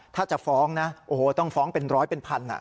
ถ้าจะฟ้องนะโอ้โหต้องฟ้องเป็นร้อยเป็นพัน